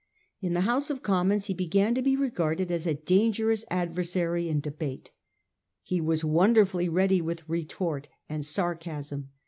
In the House of Commons he began to be regarded as a dangerous adversary in debate. He was wonderfully ready with retort and sarcasm.